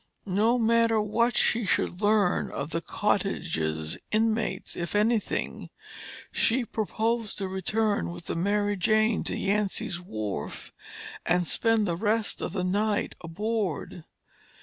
No matter what she should learn of the cottage's inmates, if anything, she proposed to return with the Mary Jane to Yancy's wharf and spend the rest of the night aboard.